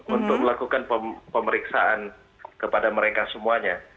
untuk melakukan pemeriksaan kepada mereka semuanya